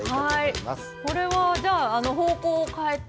これはじゃあ方向を変えて？